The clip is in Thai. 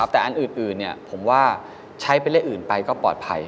แต่อันอื่นผมว่าใช้เป็นเลขอื่นไปก็ปลอดภัย